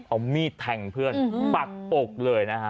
เอามีดแทงเพื่อนปักอกเลยนะฮะ